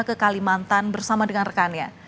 ke kalimantan bersama dengan rekannya